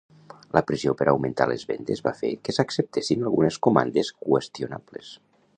La pressió per augmentar les vendes va fer que s'acceptessin algunes comandes qüestionables.